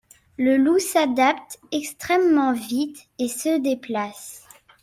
Le loup s’adapte extrêmement vite et se déplace.